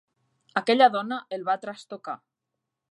Aquella dona el va trastocar.